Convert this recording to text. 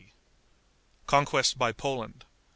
Conquests by Poland.